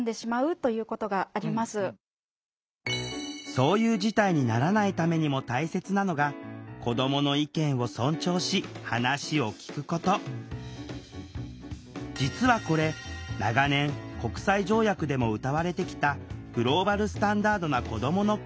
そういう事態にならないためにも大切なのが実はこれ長年国際条約でもうたわれてきたグローバルスタンダードな子どもの権利。